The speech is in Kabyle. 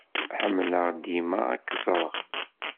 Ḥemmleɣ dima ad k-ẓreɣ.